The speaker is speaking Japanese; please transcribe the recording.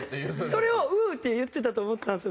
それを「う」って言ってたと思ってたんですよ